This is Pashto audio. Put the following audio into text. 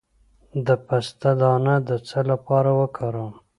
د پسته دانه د څه لپاره وکاروم؟